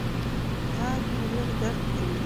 غاښ مې لږ درد کوي.